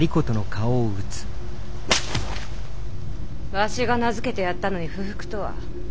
わしが名付けてやったのに不服とは。